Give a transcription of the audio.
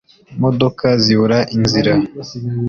modoka zibura inzira.